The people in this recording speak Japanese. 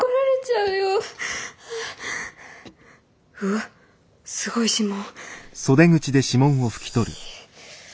うわっすごい指紋。